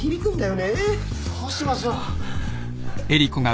どうしましょう。